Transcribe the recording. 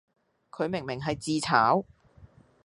佢明明係自炒